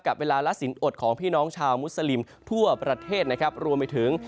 เวลาละสินอดของพี่น้องชาวมุสลิมทั่วประเทศนะครับรวมไปถึง